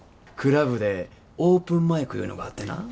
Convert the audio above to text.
クラブでオープンマイクいうのがあってな。